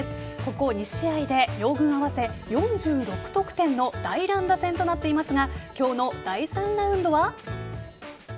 ここ２試合で両軍合わせ４６得点の大乱打線となっていますが今日の第３ラウンドは。